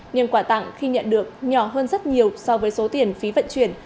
nhưng quà tặng khi nhận được nhỏ hơn rất nhiều so với số tiền phí vận chuyển